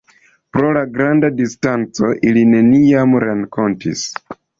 Pro la granda distanco, ili neniam renkontis.